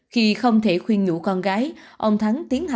khi không thể khuyên nhũ con gái ông thắng tiến hành bài